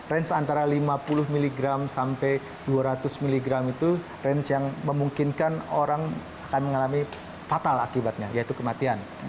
range antara lima puluh mg sampai dua ratus miligram itu range yang memungkinkan orang akan mengalami fatal akibatnya yaitu kematian